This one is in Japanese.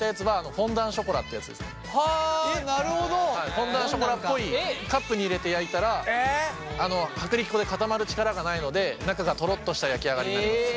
フォンダンショコラっぽいカップに入れて焼いたら薄力粉で固まる力がないので中がトロッとした焼き上がりになります。